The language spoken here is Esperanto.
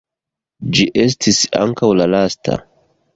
Ĝi estis ankaŭ la lasta.